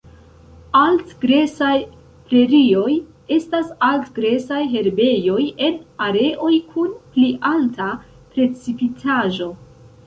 Alt-gresaj prerioj estas alt-gresaj herbejoj en areoj kun pli alta precipitaĵo.